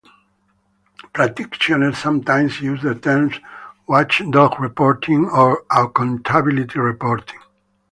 Practitioners sometimes use the terms "watchdog reporting" or "accountability reporting".